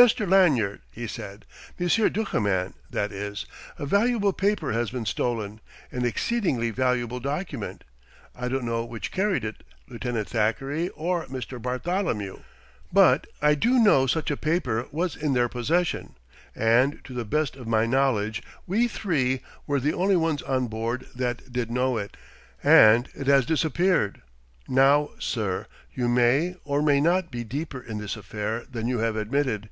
"Mr. Lanyard," he said "Monsieur Duchemin, that is a valuable paper has been stolen, an exceedingly valuable document. I don't know which carried it, Lieutenant Thackeray or Mr. Bartholomew. But I do know such a paper was in their possession. And to the best of my knowledge, we three were the only ones on board that did know it. And it has disappeared. Now, sir, you may or may not be deeper in this affair than you have admitted.